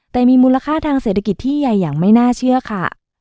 แต่มีมูลค่าทางเศรษฐกิจที่ใหญ่อย่างไม่น่าเชื่อค่ะ